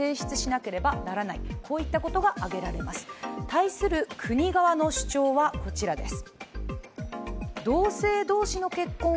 対する国側の主張はこちらです。